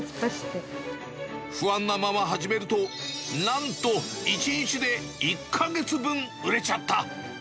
不安なまま始めると、なんと１日で１か月分売れちゃった。